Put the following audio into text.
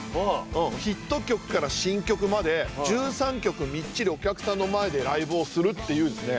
ヒット曲から新曲まで１３曲みっちりお客さんの前でライブをするっていうですね。